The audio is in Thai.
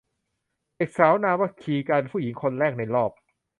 เด็กสาวนามว่า คี กลายเป็นผู้หญิงคนแรกในรอบ